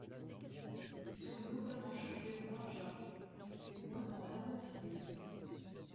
Ils sont notamment chantés en darja, et moins en amazigh.